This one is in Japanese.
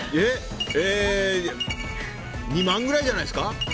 ２万ぐらいじゃないですか。